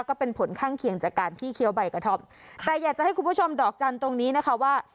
ก็เป็นผลข้างเคียงจากการที่เคี้ยวใบกระท่อมแต่อยากจะให้คุณผู้ชมดอกจันทร์ตรงนี้นะคะว่า